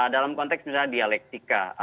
dalam konteks dialektika